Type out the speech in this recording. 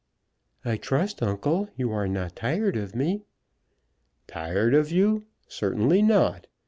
"I trust, uncle, you are not tired of me." "Tired of you! Certainly not.